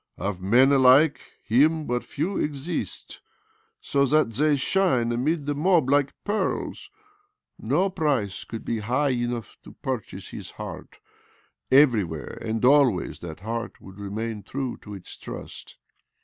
That soul is a soul of crystal transparency. Of men like him but few exist, so that they shine amid the mob like pearls. No price could be high enough to purchase his heart. Everywhere and always that heart would remain true to its trust.